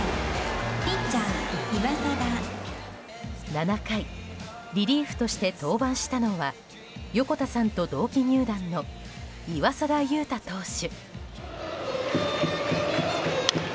７回、リリーフとして登板したのは横田さんと同期入団の岩貞祐太投手。